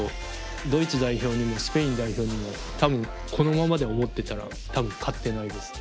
ドイツ代表にもスペイン代表にもこのままで思ってたら多分勝ってないです。